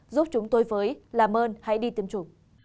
giúp chúng tôi với làm ơn hãy đi tiêm chủng